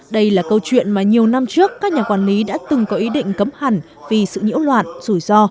đây là câu chuyện mà nhiều năm trước các nhà quản lý đã từng có ý định cấm hẳn vì sự nhiễu loạn rủi ro